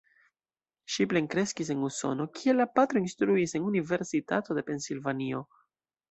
Ŝi plenkreskis en Usono, kie la patro instruis en Universitato de Pensilvanio.